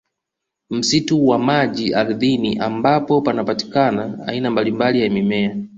Msitu wa maji ardhini ambapo panapatikana aina mbalimbali ya mimea